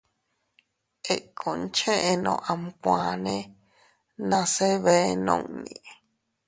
Ikkun cheʼeno amkuane nase bee nunni.